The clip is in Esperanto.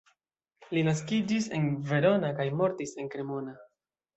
Li naskiĝis en Verona kaj mortis en Cremona.